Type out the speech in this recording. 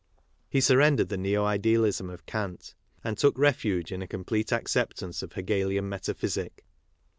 He surren dered the neo idealism of Kant and took refuge in a complete acceptance of Hegelian metaphysic.